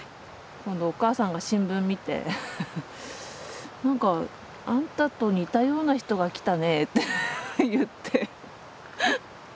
お母さんが新聞見て「なんかあんたと似たような人が来たね」って言って。